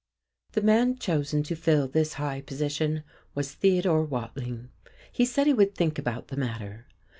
The man chosen to fill this high position was Theodore Watling. He said he would think about the matter.